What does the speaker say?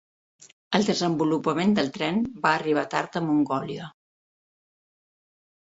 El desenvolupament del tren va arribar tard a Mongòlia.